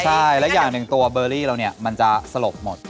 ใช่และอย่างหนึ่งตัวเบอร์รี่เราเนี่ยมันจะสลบหมด